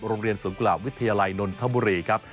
โรงเรียนสวนกุหลาบวิทยาลัยนนทบุรีครับ